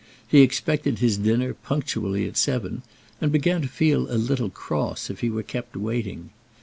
He expected his dinner punctually at seven, and began to feel a little cross if he were kept waiting.